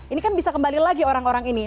ini kan bisa kembali lagi orang orang ini